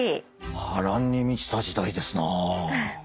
波乱に満ちた時代ですなあ。